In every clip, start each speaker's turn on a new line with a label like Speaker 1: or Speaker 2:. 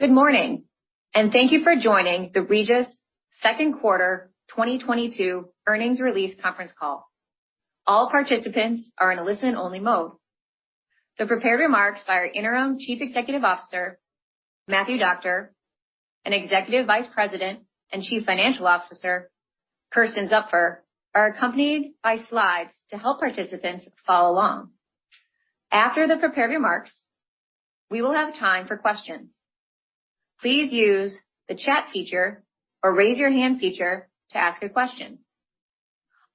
Speaker 1: Good morning, and thank you for joining the Regis Q2 2022 earnings release conference call. All participants are in a listen-only mode. The prepared remarks by our Interim Chief Executive Officer, Matthew Doctor, and Executive Vice President and Chief Financial Officer, Kersten Zupfer, are accompanied by slides to help participants follow along. After the prepared remarks, we will have time for questions. Please use the chat feature or raise your hand feature to ask a question.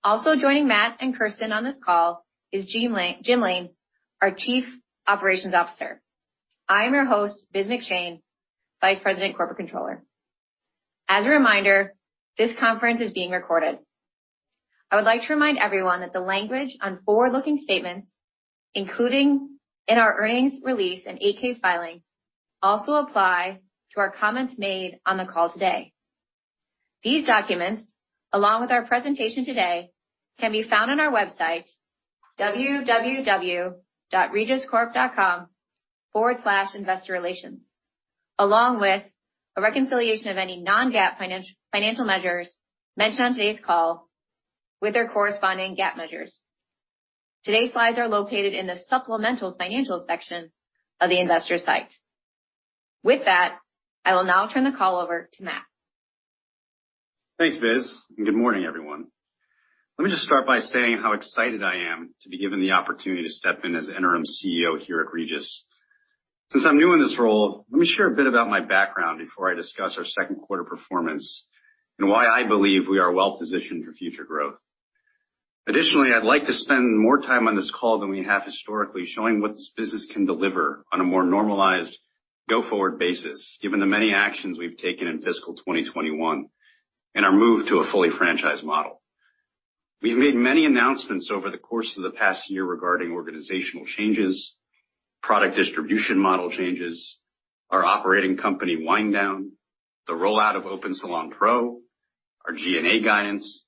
Speaker 1: Also joining Matt and Kersten on this call is Jim Lain, our Chief Operations Officer. I am your host, Biz McShane, Vice President, Corporate Controller. As a reminder, this conference is being recorded. I would like to remind everyone that the language on forward-looking statements, including in our earnings release and 8-K filing, also apply to our comments made on the call today. These documents, along with our presentation today, can be found on our website, www.regiscorp.com/investorrelations, along with a reconciliation of any non-GAAP financial measures mentioned on today's call with their corresponding GAAP measures. Today's slides are located in the supplemental financial section of the investor site. With that, I will now turn the call over to Matt.
Speaker 2: Thanks, Biz, and good morning, everyone. Let me just start by saying how excited I am to be given the opportunity to step in as interim CEO here at Regis. Since I'm new in this role, let me share a bit about my background before I discuss our Q2 performance and why I believe we are well-positioned for future growth. Additionally, I'd like to spend more time on this call than we have historically, showing what this business can deliver on a more normalized go-forward basis, given the many actions we've taken in fiscal 2021 and our move to a fully franchised model. We've made many announcements over the course of the past year regarding organizational changes, product distribution model changes, our operating company wind down, the rollout of OpenSalon Pro, our G&A guidance,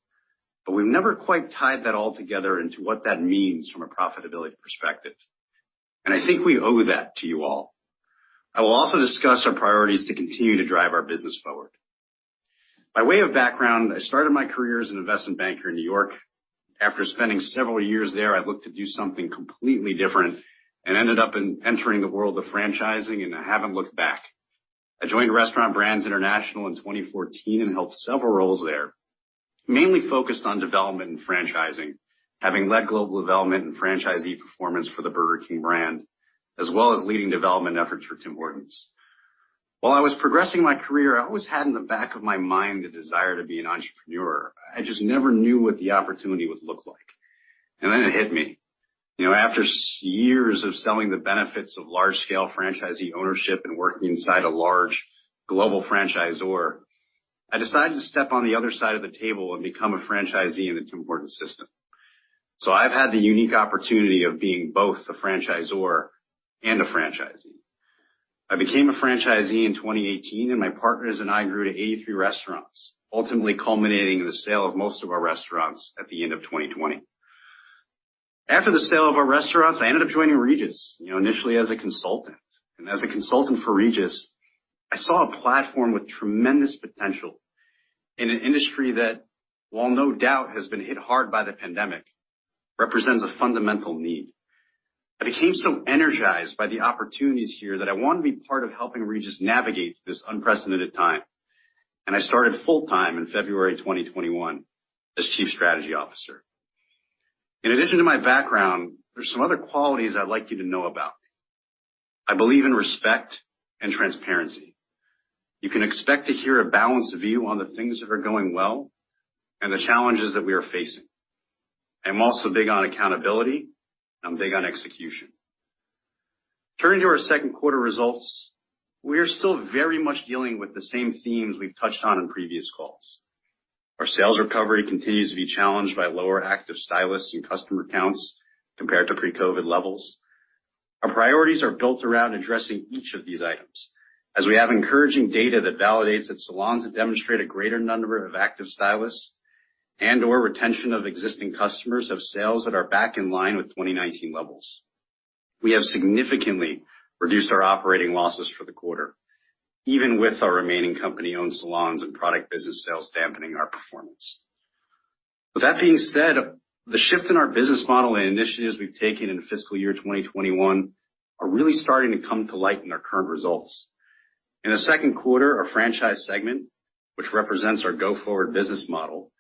Speaker 2: but we've never quite tied that all together into what that means from a profitability perspective, and I think we owe that to you all. I will also discuss our priorities to continue to drive our business forward. By way of background, I started my career as an investment banker in New York. After spending several years there, I looked to do something completely different and ended up entering the world of franchising, and I haven't looked back. I joined Restaurant Brands International in 2014 and held several roles there, mainly focused on development and franchising, having led global development and franchisee performance for the Burger King brand, as well as leading development efforts for Tim Hortons. While I was progressing my career, I always had in the back of my mind a desire to be an entrepreneur. I just never knew what the opportunity would look like. It hit me. You know, after six years of selling the benefits of large-scale franchisee ownership and working inside a large global franchisor, I decided to step on the other side of the table and become a franchisee in the Tim Hortons system. I've had the unique opportunity of being both the franchisor and the franchisee. I became a franchisee in 2018, and my partners and I grew to 83 restaurants, ultimately culminating in the sale of most of our restaurants at the end of 2020. After the sale of our restaurants, I ended up joining Regis, you know, initially as a consultant. As a consultant for Regis, I saw a platform with tremendous potential in an industry that, while no doubt has been hit hard by the pandemic, represents a fundamental need. I became so energized by the opportunities here that I wanted to be part of helping Regis navigate this unprecedented time, and I started full-time in February 2021 as Chief Strategy Officer. In addition to my background, there's some other qualities I'd like you to know about. I believe in respect and transparency. You can expect to hear a balanced view on the things that are going well and the challenges that we are facing. I'm also big on accountability. I'm big on execution. Turning to our Q2 results, we are still very much dealing with the same themes we've touched on in previous calls. Our sales recovery continues to be challenged by lower active stylists and customer counts compared to pre-COVID levels. Our priorities are built around addressing each of these items, as we have encouraging data that validates that salons that demonstrate a greater number of active stylists and/or retention of existing customers have sales that are back in line with 2019 levels. We have significantly reduced our operating losses for the quarter, even with our remaining company-owned salons and product business sales dampening our performance. With that being said, the shift in our business model and initiatives we've taken into fiscal year 2021 are really starting to come to light in our current results. In the Q2, our franchise segment, which represents our go-forward business model,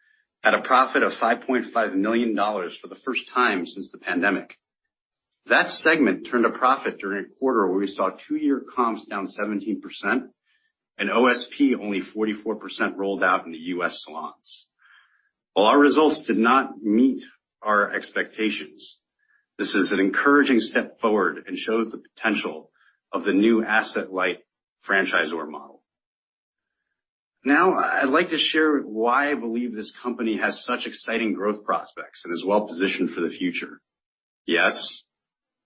Speaker 2: had a profit of $5.5 million for the first time since the pandemic. That segment turned a profit during a quarter where we saw two-year comps down 17%, and OSP only 44% rolled out in the U.S. salons. While our results did not meet our expectations, this is an encouraging step forward and shows the potential of the new asset-light franchisor model. Now, I'd like to share why I believe this company has such exciting growth prospects and is well positioned for the future. Yes,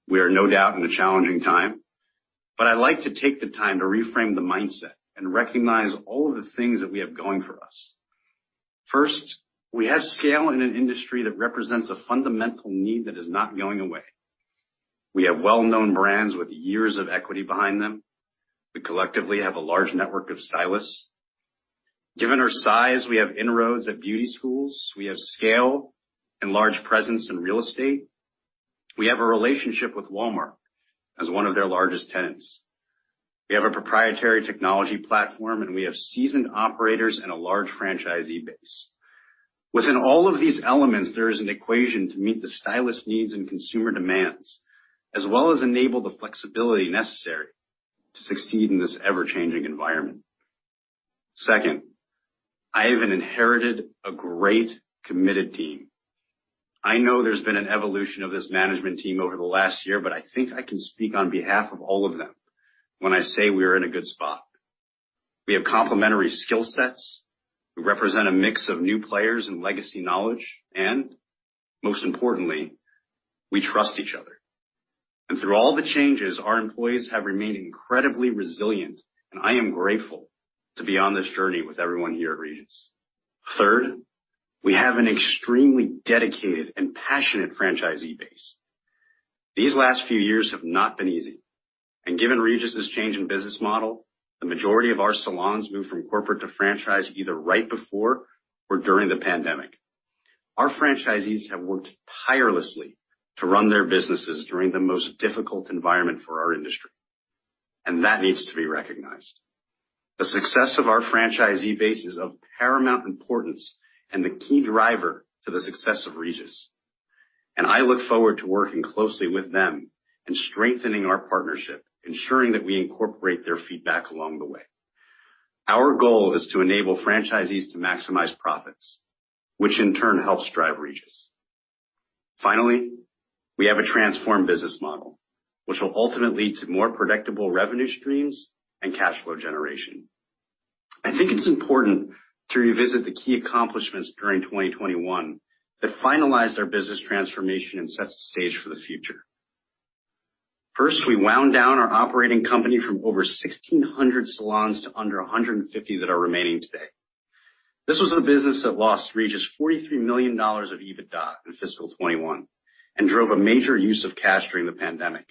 Speaker 2: we are no doubt in a challenging time, but I'd like to take the time to reframe the mindset and recognize all of the things that we have going for us. First, we have scale in an industry that represents a fundamental need that is not going away. We have well-known brands with years of equity behind them. We collectively have a large network of stylists. Given our size, we have inroads at beauty schools. We have scale and large presence in real estate. We have a relationship with Walmart as one of their largest tenants. We have a proprietary technology platform, and we have seasoned operators and a large franchisee base. Within all of these elements, there is an equation to meet the stylist needs and consumer demands, as well as enable the flexibility necessary to succeed in this ever-changing environment. Second, I have inherited a great committed team. I know there's been an evolution of this management team over the last year, but I think I can speak on behalf of all of them when I say we are in a good spot. We have complementary skill sets. We represent a mix of new players and legacy knowledge, and most importantly, we trust each other. Through all the changes, our employees have remained incredibly resilient, and I am grateful to be on this journey with everyone here at Regis. Third, we have an extremely dedicated and passionate franchisee base. These last few years have not been easy. Given Regis's change in business model, the majority of our salons moved from corporate to franchise either right before or during the pandemic. Our franchisees have worked tirelessly to run their businesses during the most difficult environment for our industry, and that needs to be recognized. The success of our franchisee base is of paramount importance and the key driver to the success of Regis. I look forward to working closely with them and strengthening our partnership, ensuring that we incorporate their feedback along the way. Our goal is to enable franchisees to maximize profits, which in turn helps drive Regis. Finally, we have a transformed business model, which will ultimately lead to more predictable revenue streams and cash flow generation. I think it's important to revisit the key accomplishments during 2021 that finalized our business transformation and sets the stage for the future. First, we wound down our operating company from over 1,600 salons to under 150 that are remaining today. This was a business that lost Regis $43 million of EBITDA in fiscal 2021 and drove a major use of cash during the pandemic,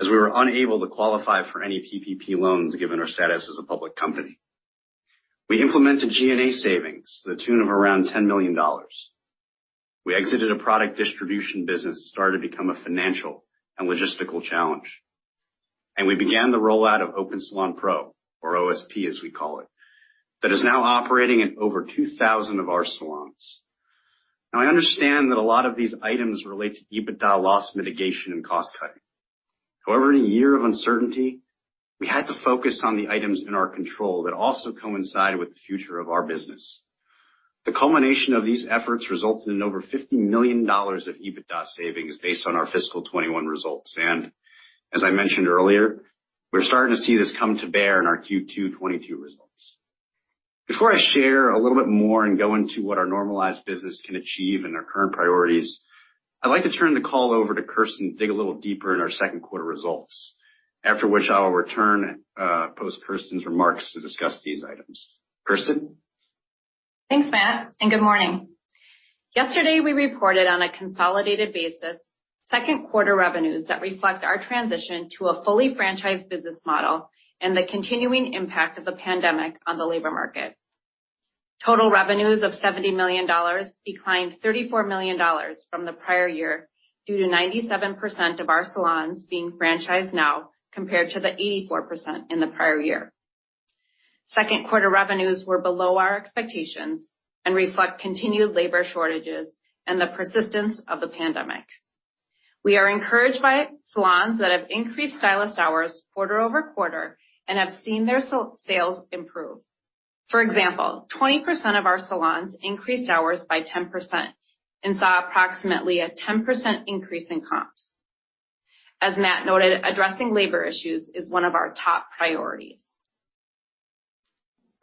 Speaker 2: as we were unable to qualify for any PPP loans, given our status as a public company. We implemented G&A savings to the tune of around $10 million. We exited a product distribution business that started to become a financial and logistical challenge. We began the rollout of OpenSalon Pro, or OSP, as we call it, that is now operating in over 2,000 of our salons. Now, I understand that a lot of these items relate to EBITDA loss mitigation and cost cutting. However, in a year of uncertainty, we had to focus on the items in our control that also coincide with the future of our business. The culmination of these efforts resulted in over $50 million of EBITDA savings based on our fiscal 2021 results. As I mentioned earlier, we're starting to see this come to bear in our Q2 2022 results. Before I share a little bit more and go into what our normalized business can achieve and our current priorities, I'd like to turn the call over to Kersten to dig a little deeper in our Q2 results. After which, I will return, post Kersten's remarks to discuss these items. Kersten?
Speaker 3: Thanks, Matt, and good morning. Yesterday, we reported on a consolidated basis Q2 revenues that reflect our transition to a fully franchised business model and the continuing impact of the pandemic on the labor market. Total revenues of $70 million declined $34 million from the prior year due to 97% of our salons being franchised now, compared to the 84% in the prior year. Q2 revenues were below our expectations and reflect continued labor shortages and the persistence of the pandemic. We are encouraged by salons that have increased stylist hours quarter-over-quarter and have seen their sales improve. For example, 20% of our salons increased hours by 10% and saw approximately a 10% increase in comps. As Matt noted, addressing labor issues is one of our top priorities.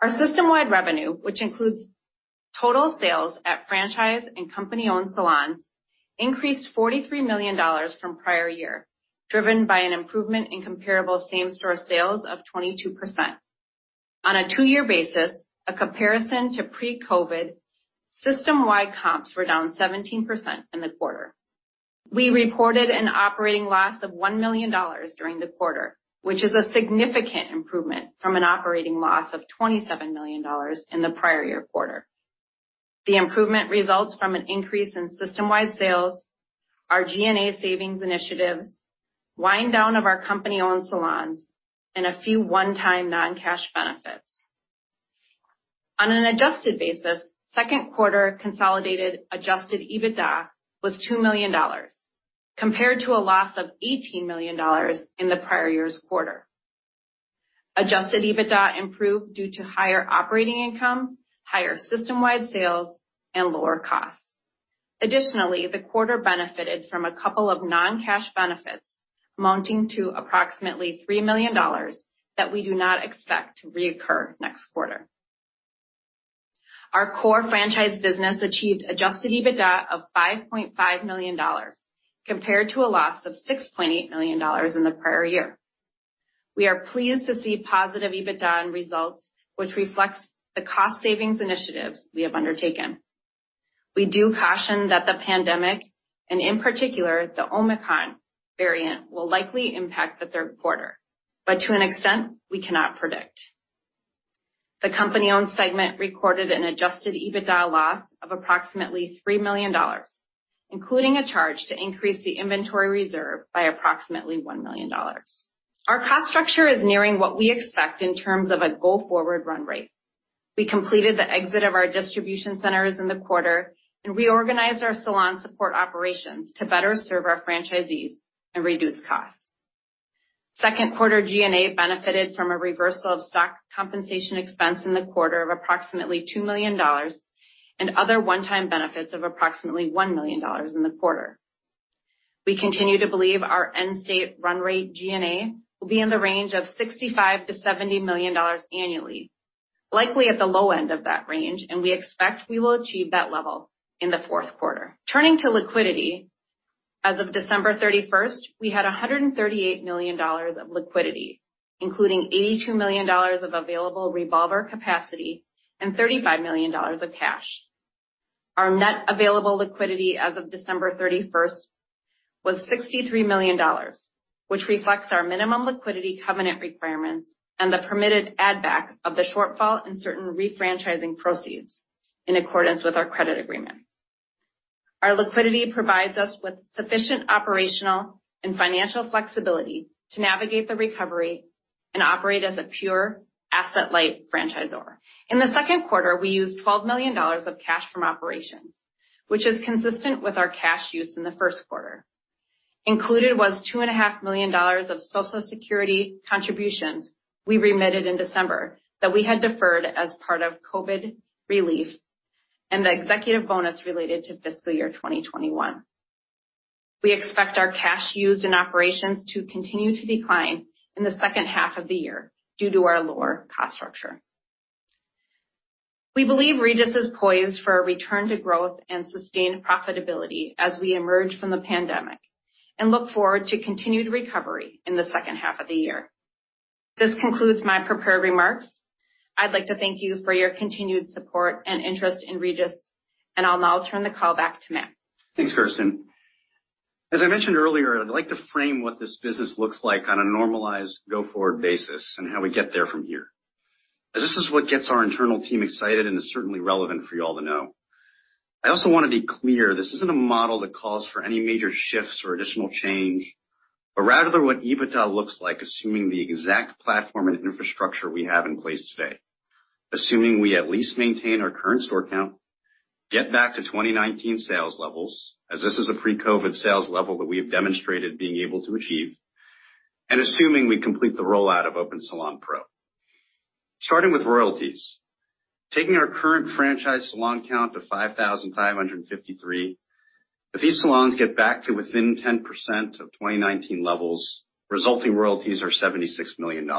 Speaker 3: Our system-wide revenue, which includes total sales at franchise and company-owned salons, increased $43 million from prior year, driven by an improvement in comparable same-store sales of 22%. On a two-year basis, a comparison to pre-COVID, system-wide comps were down 17% in the quarter. We reported an operating loss of $1 million during the quarter, which is a significant improvement from an operating loss of $27 million in the prior year quarter. The improvement results from an increase in system-wide sales, our G&A savings initiatives, wind down of our company-owned salons, and a few one-time non-cash benefits. On an adjusted basis, Q2 consolidated adjusted EBITDA was $2 million, compared to a loss of $18 million in the prior year's quarter. Adjusted EBITDA improved due to higher operating income, higher system-wide sales, and lower costs. Additionally, the quarter benefited from a couple of non-cash benefits amounting to approximately $3 million that we do not expect to reoccur next quarter. Our core franchise business achieved adjusted EBITDA of $5.5 million, compared to a loss of $6.8 million in the prior year. We are pleased to see positive EBITDA and results which reflects the cost savings initiatives we have undertaken. We do caution that the pandemic and in particular, the Omicron variant, will likely impact the Q3, but to an extent, we cannot predict. The company-owned segment recorded an adjusted EBITDA loss of approximately $3 million, including a charge to increase the inventory reserve by approximately $1 million. Our cost structure is nearing what we expect in terms of a go-forward run rate. We completed the exit of our distribution centers in the quarter and reorganized our salon support operations to better serve our franchisees and reduce costs. Q2 G&A benefited from a reversal of stock compensation expense in the quarter of approximately $2 million and other one-time benefits of approximately $1 million in the quarter. We continue to believe our end state run rate G&A will be in the range of $65 million-$70 million annually, likely at the low end of that range, and we expect we will achieve that level in the Q4. Turning to liquidity, as of December 31, we had $138 million of liquidity, including $82 million of available revolver capacity and $35 million of cash. Our net available liquidity as of December 31 was $63 million, which reflects our minimum liquidity covenant requirements and the permitted add back of the shortfall in certain refranchising proceeds in accordance with our credit agreement. Our liquidity provides us with sufficient operational and financial flexibility to navigate the recovery and operate as a pure asset-light franchisor. In the Q2, we used $12 million of cash from operations, which is consistent with our cash use in the Q1. Included was $2.5 million of social security contributions we remitted in December that we had deferred as part of COVID relief and the executive bonus related to fiscal year 2021. We expect our cash used in operations to continue to decline in the H2 of the year due to our lower cost structure. We believe Regis is poised for a return to growth and sustained profitability as we emerge from the pandemic and look forward to continued recovery in the H2 of the year. This concludes my prepared remarks. I'd like to thank you for your continued support and interest in Regis, and I'll now turn the call back to Matthew.
Speaker 2: Thanks, Kersten. As I mentioned earlier, I'd like to frame what this business looks like on a normalized go-forward basis and how we get there from here. This is what gets our internal team excited and is certainly relevant for you all to know. I also wanna be clear, this isn't a model that calls for any major shifts or additional change, but rather what EBITDA looks like, assuming the exact platform and infrastructure we have in place today. Assuming we at least maintain our current store count, get back to 2019 sales levels, as this is a pre-COVID sales level that we have demonstrated being able to achieve, and assuming we complete the rollout of OpenSalon Pro. Starting with royalties. Taking our current franchise salon count to 5,553, if these salons get back to within 10% of 2019 levels, resulting royalties are $76 million.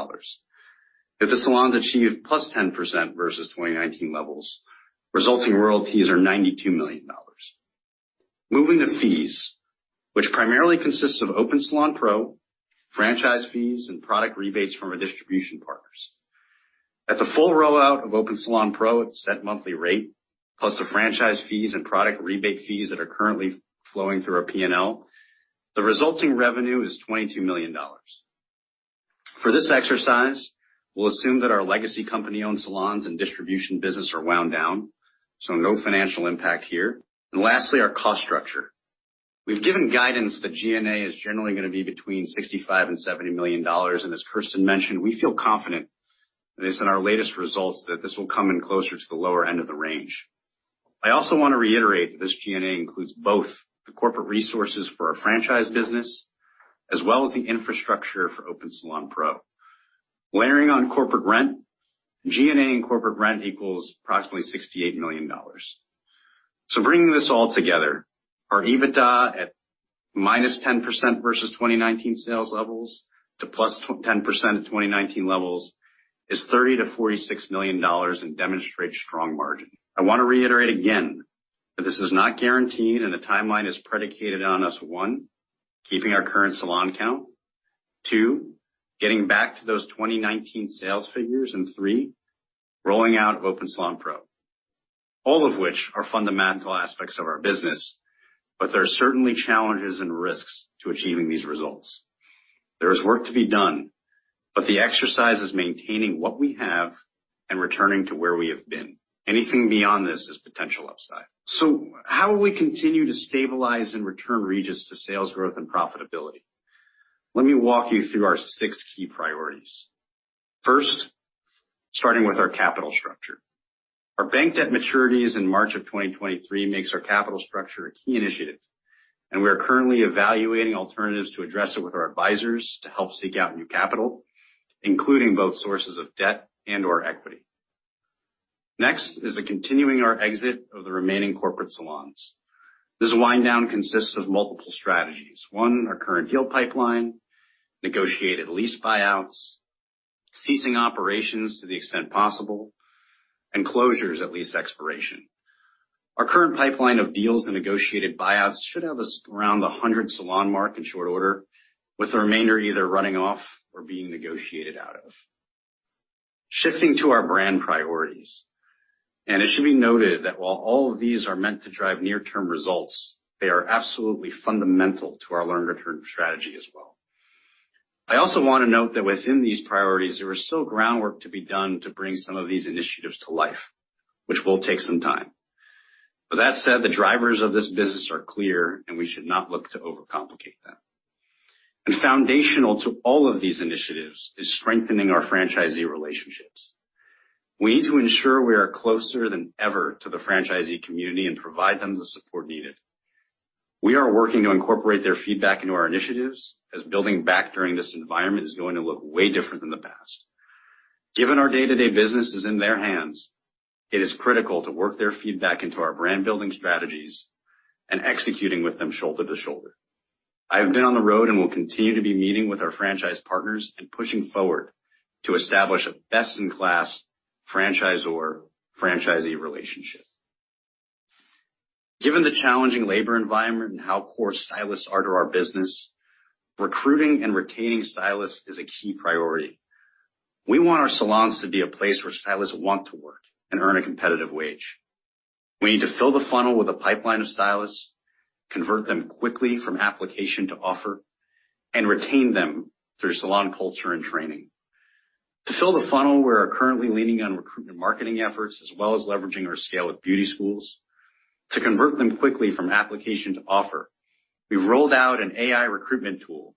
Speaker 2: If the salons achieve +10% versus 2019 levels, resulting royalties are $92 million. Moving to fees, which primarily consists of OpenSalon Pro, franchise fees, and product rebates from our distribution partners. At the full rollout of OpenSalon Pro at a set monthly rate, plus the franchise fees and product rebate fees that are currently flowing through our P&L, the resulting revenue is $22 million. For this exercise, we'll assume that our legacy company-owned salons and distribution business are wound down, so no financial impact here. Lastly, our cost structure. We've given guidance that G&A is generally gonna be between $65 million and $70 million, and as Kersten mentioned, we feel confident based on our latest results that this will come in closer to the lower end of the range. I also want to reiterate that this G&A includes both the corporate resources for our franchise business as well as the infrastructure for OpenSalon Pro. Layering on corporate rent, G&A and corporate rent equals approximately $68 million. Bringing this all together, our EBITDA at -10% versus 2019 sales levels to +10% of 2019 levels is $30 million-$46 million and demonstrates strong margin. I wanna reiterate again that this is not guaranteed, and the timeline is predicated on us, one, keeping our current salon count. Two, getting back to those 2019 sales figures. Three, rolling out OpenSalon Pro. All of which are fundamental aspects of our business. There are certainly challenges and risks to achieving these results. There is work to be done, but the exercise is maintaining what we have and returning to where we have been. Anything beyond this is potential upside. How will we continue to stabilize and return Regis to sales growth and profitability? Let me walk you through our six key priorities. First, starting with our capital structure. Our bank debt maturities in March 2023 makes our capital structure a key initiative, and we are currently evaluating alternatives to address it with our advisors to help seek out new capital, including both sources of debt and/or equity. Next is continuing our exit of the remaining corporate salons. This wind down consists of multiple strategies. One, our current deal pipeline, negotiated lease buyouts. Ceasing operations to the extent possible, and closures at lease expiration. Our current pipeline of deals and negotiated buyouts should have us around the 100 salon mark in short order, with the remainder either running off or being negotiated out of. Shifting to our brand priorities, it should be noted that while all of these are meant to drive near-term results, they are absolutely fundamental to our long-term strategy as well. I also want to note that within these priorities, there is still groundwork to be done to bring some of these initiatives to life, which will take some time. With that said, the drivers of this business are clear, and we should not look to overcomplicate them. Foundational to all of these initiatives is strengthening our franchisee relationships. We need to ensure we are closer than ever to the franchisee community and provide them the support needed. We are working to incorporate their feedback into our initiatives, as building back during this environment is going to look way different than the past. Given our day-to-day business is in their hands, it is critical to work their feedback into our brand building strategies and executing with them shoulder to shoulder. I have been on the road and will continue to be meeting with our franchise partners and pushing forward to establish a best-in-class franchisor-franchisee relationship. Given the challenging labor environment and how core stylists are to our business, recruiting and retaining stylists is a key priority. We want our salons to be a place where stylists want to work and earn a competitive wage. We need to fill the funnel with a pipeline of stylists, convert them quickly from application to offer, and retain them through salon culture and training. To fill the funnel, we are currently leaning on recruitment marketing efforts, as well as leveraging our scale with beauty schools. To convert them quickly from application to offer, we've rolled out an AI recruitment tool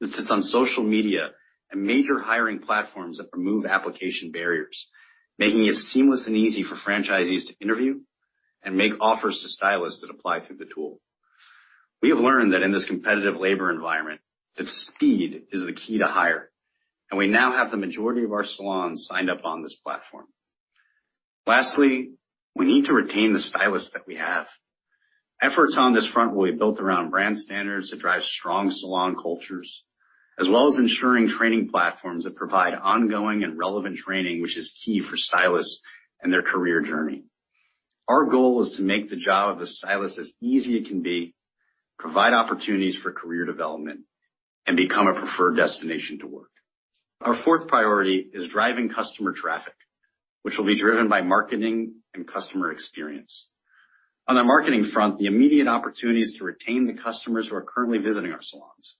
Speaker 2: that sits on social media and major hiring platforms that remove application barriers, making it seamless and easy for franchisees to interview and make offers to stylists that apply through the tool. We have learned that in this competitive labor environment, that speed is the key to hire, and we now have the majority of our salons signed up on this platform. Lastly, we need to retain the stylists that we have. Efforts on this front will be built around brand standards that drive strong salon cultures, as well as ensuring training platforms that provide ongoing and relevant training, which is key for stylists and their career journey. Our goal is to make the job of the stylist as easy as it can be, provide opportunities for career development, and become a preferred destination to work. Our fourth priority is driving customer traffic, which will be driven by marketing and customer experience. On the marketing front, the immediate opportunity is to retain the customers who are currently visiting our salons.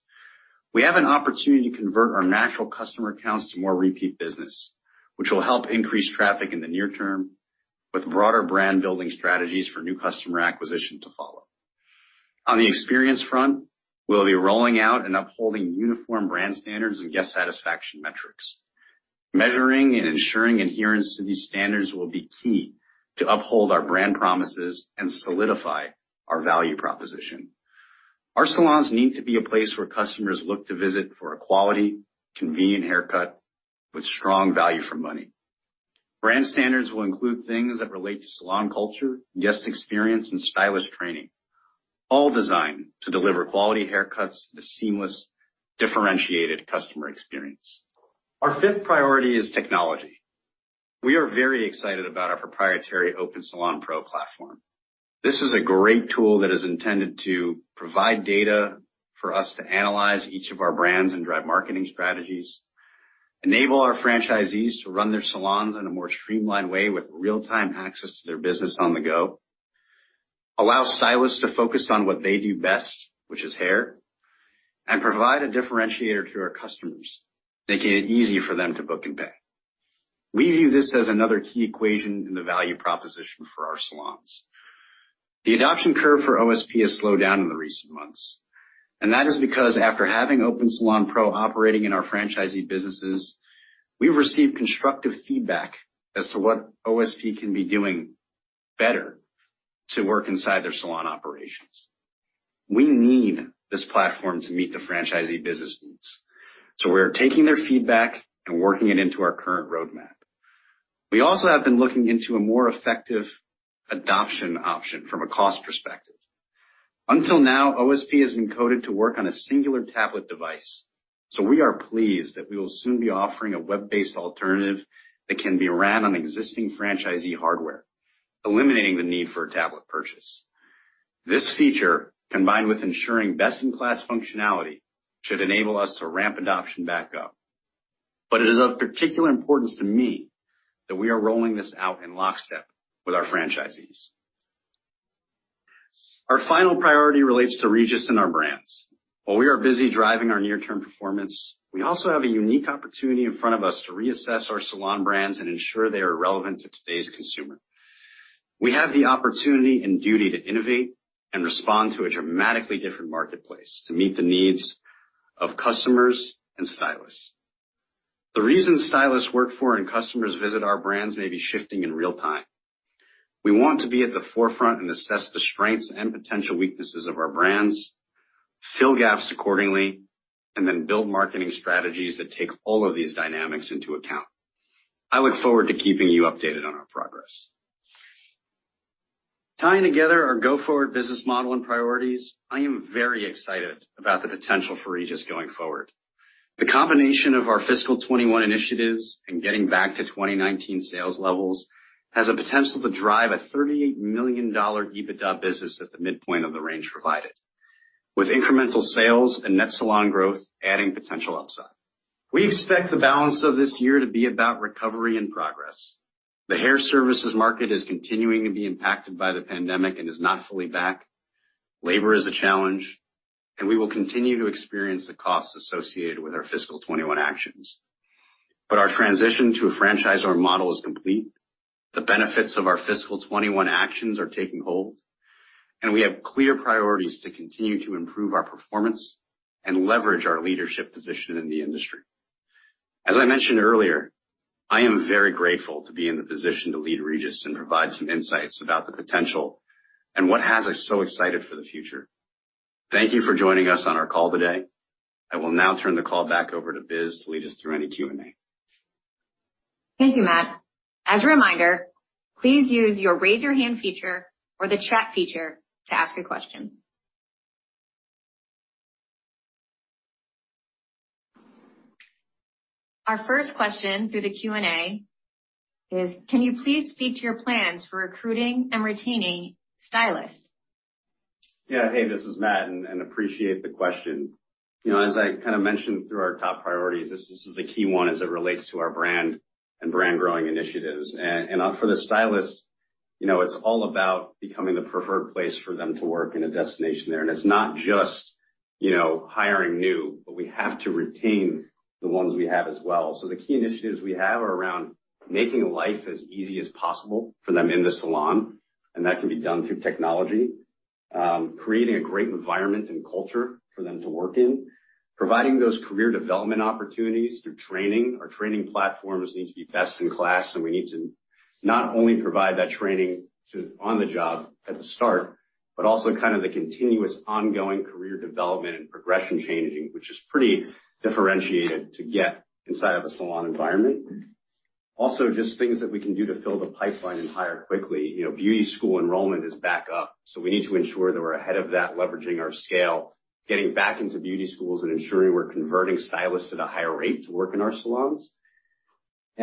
Speaker 2: We have an opportunity to convert our natural customer accounts to more repeat business, which will help increase traffic in the near term with broader brand-building strategies for new customer acquisition to follow. On the experience front, we'll be rolling out and upholding uniform brand standards and guest satisfaction metrics. Measuring and ensuring adherence to these standards will be key to uphold our brand promises and solidify our value proposition. Our salons need to be a place where customers look to visit for a quality, convenient haircut with strong value for money. Brand standards will include things that relate to salon culture, guest experience, and stylist training, all designed to deliver quality haircuts with a seamless, differentiated customer experience. Our fifth priority is technology. We are very excited about our proprietary OpenSalon Pro platform. This is a great tool that is intended to provide data for us to analyze each of our brands and drive marketing strategies, enable our franchisees to run their salons in a more streamlined way with real-time access to their business on the go, allow stylists to focus on what they do best, which is hair, and provide a differentiator to our customers, making it easy for them to book and pay. We view this as another key equation in the value proposition for our salons. The adoption curve for OSP has slowed down in the recent months, and that is because after having OpenSalon Pro operating in our franchisee businesses, we've received constructive feedback as to what OSP can be doing better to work inside their salon operations. We need this platform to meet the franchisee business needs, so we are taking their feedback and working it into our current roadmap. We also have been looking into a more effective adoption option from a cost perspective. Until now, OSP has been coded to work on a singular tablet device, so we are pleased that we will soon be offering a web-based alternative that can be run on existing franchisee hardware, eliminating the need for a tablet purchase. This feature, combined with ensuring best-in-class functionality, should enable us to ramp adoption back up. It is of particular importance to me that we are rolling this out in lockstep with our franchisees. Our final priority relates to Regis and our brands. While we are busy driving our near-term performance, we also have a unique opportunity in front of us to reassess our salon brands and ensure they are relevant to today's consumer. We have the opportunity and duty to innovate and respond to a dramatically different marketplace to meet the needs of customers and stylists. The reason stylists work for and customers visit our brands may be shifting in real time. We want to be at the forefront and assess the strengths and potential weaknesses of our brands, fill gaps accordingly, and then build marketing strategies that take all of these dynamics into account. I look forward to keeping you updated on our progress. Tying together our go forward business model and priorities, I am very excited about the potential for Regis going forward. The combination of our fiscal 2021 initiatives and getting back to 2019 sales levels has a potential to drive a $38 million EBITDA business at the midpoint of the range provided, with incremental sales and net salon growth adding potential upside. We expect the balance of this year to be about recovery and progress. The hair services market is continuing to be impacted by the pandemic and is not fully back. Labor is a challenge, and we will continue to experience the costs associated with our fiscal 2021 actions. Our transition to a franchisor model is complete. The benefits of our fiscal 2021 actions are taking hold, and we have clear priorities to continue to improve our performance and leverage our leadership position in the industry. As I mentioned earlier, I am very grateful to be in the position to lead Regis and provide some insights about the potential and what has us so excited for the future. Thank you for joining us on our call today. I will now turn the call back over to Biz to lead us through any Q&A.
Speaker 1: Thank you, Matt. As a reminder, please use your raise hand feature or the chat feature to ask a question. Our first question through the Q&A is, can you please speak to your plans for recruiting and retaining stylists?
Speaker 2: Yeah. Hey, this is Matt. I appreciate the question. You know, as I kind of mentioned through our top priorities, this is a key one as it relates to our brand and brand growing initiatives. For the stylists, you know, it's all about becoming the preferred place for them to work in a destination there. It's not just, you know, hiring new, but we have to retain the ones we have as well. The key initiatives we have are around making life as easy as possible for them in the salon, and that can be done through technology, creating a great environment and culture for them to work in. Providing those career development opportunities through training. Our training platforms need to be best in class, and we need to not only provide that training to on the job at the start, but also kind of the continuous ongoing career development and progression changing, which is pretty differentiated to get inside of a salon environment. Also, just things that we can do to fill the pipeline and hire quickly. You know, beauty school enrollment is back up, so we need to ensure that we're ahead of that, leveraging our scale, getting back into beauty schools and ensuring we're converting stylists at a higher rate to work in our salons.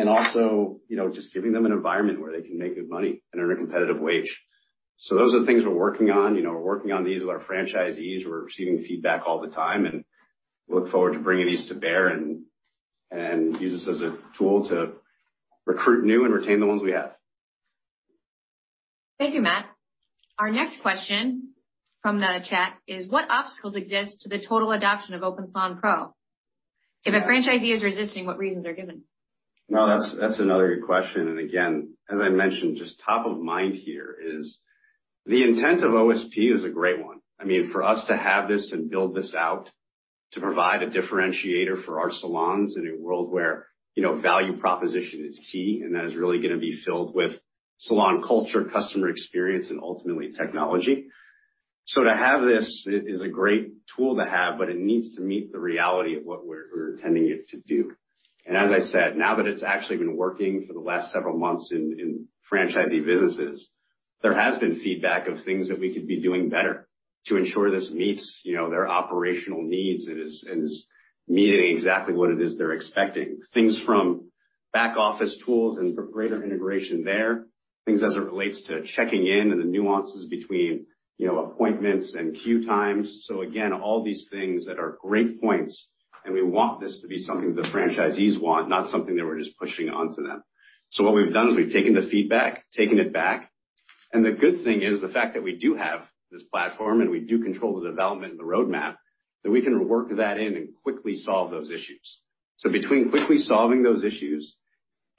Speaker 2: Also, you know, just giving them an environment where they can make good money and earn a competitive wage. Those are the things we're working on. You know, we're working on these with our franchisees. We're receiving feedback all the time, and we look forward to bringing these to bear and use this as a tool to recruit new and retain the ones we have.
Speaker 1: Thank you, Matt. Our next question from the chat is what obstacles exist to the total adoption of OpenSalon Pro? If a franchisee is resisting, what reasons are given?
Speaker 2: Well, that's another good question. Again, as I mentioned, just top of mind here is the intent of OSP is a great one. I mean, for us to have this and build this out, to provide a differentiator for our salons in a world where, you know, value proposition is key, and that is really gonna be filled with salon culture, customer experience, and ultimately technology. To have this is a great tool to have, but it needs to meet the reality of what we're intending it to do. As I said, now that it's actually been working for the last several months in franchisee businesses, there has been feedback of things that we could be doing better to ensure this meets, you know, their operational needs and is meeting exactly what it is they're expecting. Things from back office tools and greater integration there, things as it relates to checking in and the nuances between, you know, appointments and queue times. Again, all these things that are great points, and we want this to be something the franchisees want, not something that we're just pushing onto them. What we've done is we've taken the feedback, taken it back, and the good thing is the fact that we do have this platform, and we do control the development and the roadmap, that we can work that in and quickly solve those issues. Between quickly solving those issues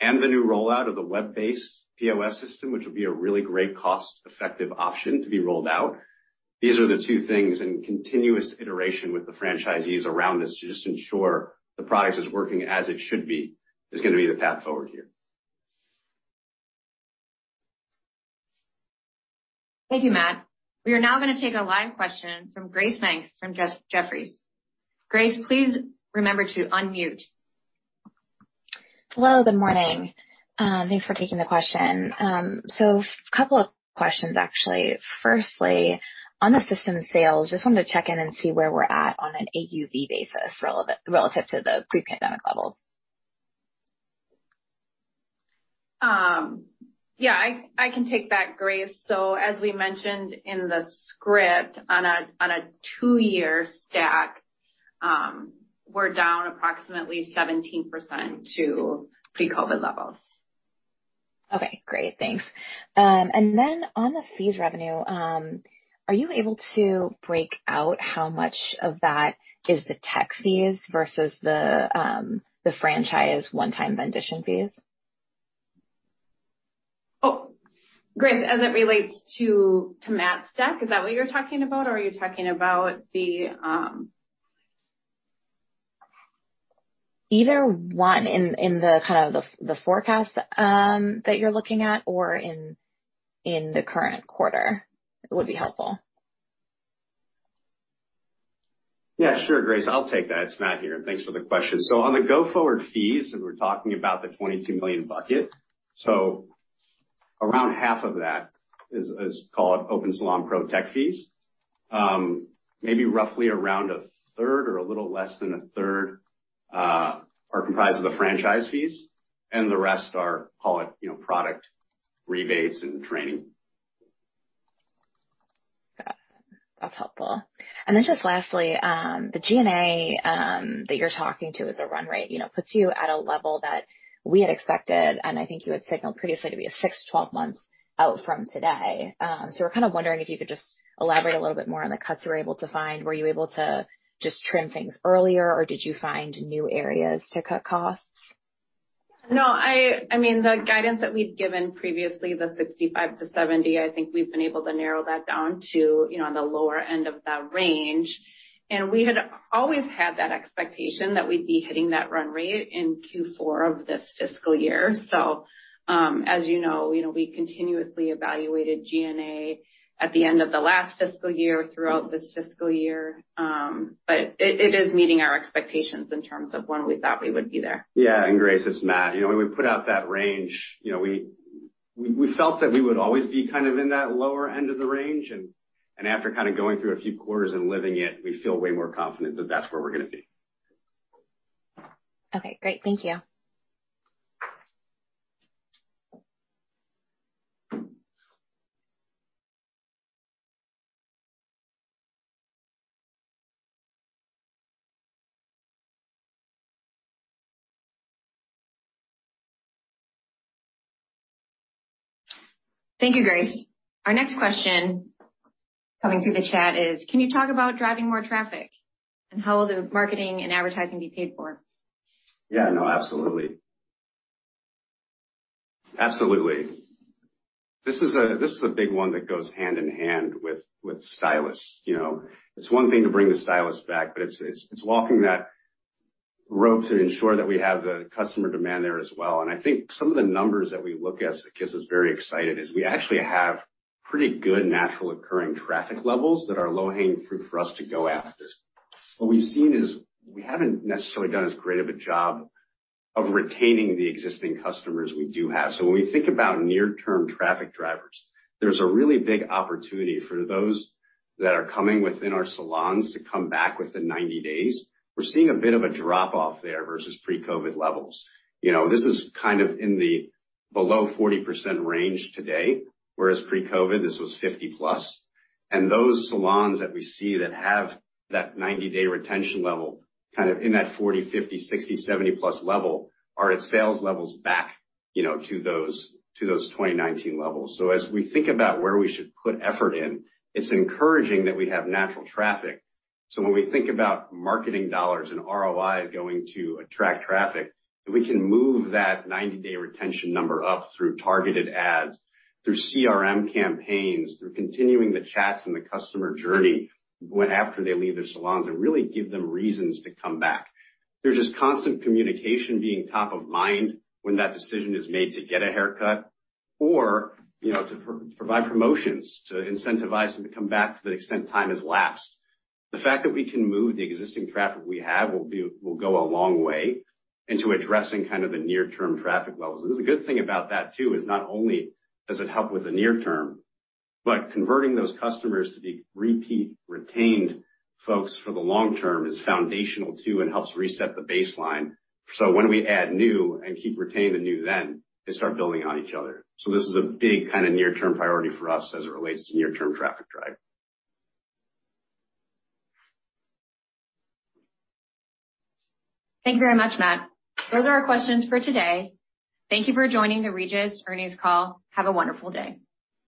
Speaker 2: and the new rollout of the web-based POS system, which will be a really great cost-effective option to be rolled out, these are the two things in continuous iteration with the franchisees around us to just ensure the product is working as it should be is gonna be the path forward here.
Speaker 1: Thank you, Matt. We are now gonna take a live question from Grace Menk from Jefferies. Grace, please remember to unmute.
Speaker 4: Hello, good morning. Thanks for taking the question. A couple of questions actually. Firstly, on the system sales, just wanted to check in and see where we're at on an AUV basis relative to the pre-pandemic levels?
Speaker 1: Yeah, I can take that, Grace. As we mentioned in the script, on a two-year stack, we're down approximately 17% to pre-COVID levels.
Speaker 4: Okay, great. Thanks. On the fees revenue, are you able to break out how much of that is the tech fees versus the franchise one-time recognition fees?
Speaker 1: Oh, Grace, as it relates to Matt's deck, is that what you're talking about, or are you talking about the?
Speaker 4: Either one in the kind of forecast that you're looking at or in the current quarter would be helpful.
Speaker 2: Yeah, sure, Grace. I'll take that. It's Matt here. Thanks for the question. On the go forward fees, and we're talking about the $22 million bucket, around half of that is called OpenSalon Pro tech fees. Maybe roughly around a third or a little less than a third are comprised of the franchise fees, and the rest, call it, you know, product rebates and training.
Speaker 4: Got it. That's helpful. Then just lastly, the G&A that you're talking to as a run rate, you know, puts you at a level that we had expected, and I think you had signaled previously to be a fixed 12 months out from today. We're kinda wondering if you could just elaborate a little bit more on the cuts you were able to find. Were you able to just trim things earlier, or did you find new areas to cut costs?
Speaker 3: No, I mean, the guidance that we'd given previously, the $65-$70, I think we've been able to narrow that down to, you know, on the lower end of that range. We had always had that expectation that we'd be hitting that run rate in Q4 of this fiscal year. As you know, you know, we continuously evaluated G&A at the end of the last fiscal year throughout this fiscal year. But it is meeting our expectations in terms of when we thought we would be there.
Speaker 2: Yeah. Grace, it's Matt. You know, when we put out that range, you know, we felt that we would always be kind of in that lower end of the range. After kinda going through a few quarters and living it, we feel way more confident that that's where we're gonna be.
Speaker 4: Okay, great. Thank you.
Speaker 1: Thank you, Grace. Our next question coming through the chat is, can you talk about driving more traffic? How will the marketing and advertising be paid for?
Speaker 2: Yeah, no, absolutely. Absolutely. This is a big one that goes hand in hand with stylists. You know, it's one thing to bring the stylist back, but it's walking that road to ensure that we have the customer demand there as well. I think some of the numbers that we look at that gets us very excited is we actually have pretty good natural occurring traffic levels that are low hanging fruit for us to go after. What we've seen is we haven't necessarily done as great of a job of retaining the existing customers we do have. When we think about near term traffic drivers, there's a really big opportunity for those that are coming within our salons to come back within 90 days. We're seeing a bit of a drop off there versus pre-COVID levels. You know, this is kind of in the below 40% range today, whereas pre-COVID, this was 50+. Those salons that we see that have that 90-day retention level, kind of in that 40, 50, 60, 70+ level are at sales levels back, you know, to those 2019 levels. As we think about where we should put effort in, it's encouraging that we have natural traffic. When we think about marketing dollars and ROI is going to attract traffic, if we can move that 90-day retention number up through targeted ads, through CRM campaigns, through continuing the chats and the customer journey after they leave their salons and really give them reasons to come back. Through just constant communication being top of mind when that decision is made to get a haircut or, you know, to provide promotions to incentivize them to come back to the extent time has lapsed. The fact that we can move the existing traffic we have will go a long way into addressing kind of the near term traffic levels. There's a good thing about that too, is not only does it help with the near term, but converting those customers to be repeat retained folks for the long term is foundational too, and helps reset the baseline. When we add new and keep retaining the new, then they start building on each other. This is a big kinda near term priority for us as it relates to near term traffic drive.
Speaker 1: Thank you very much, Matt. Those are our questions for today. Thank you for joining the Regis earnings call. Have a wonderful day.